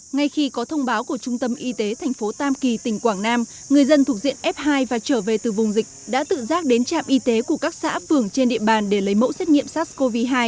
ngay khi có thông báo của trung tâm y tế tp tam kỳ tỉnh quảng nam người dân thuộc diện f hai và trở về từ vùng dịch đã tự giác đến trạm y tế của các xã phường trên địa bàn để lấy mẫu xét nghiệm sars cov hai